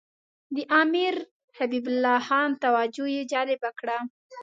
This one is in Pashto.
د امیر حبیب الله خان توجه یې جلب کړه.